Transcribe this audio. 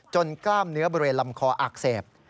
กล้ามเนื้อบริเวณลำคออักเสบ